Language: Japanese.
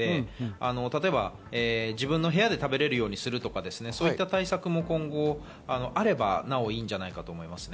例えば自分の部屋で食べられるようにするとかそういった対策も今もあれば、なおいいんじゃないかなと思います。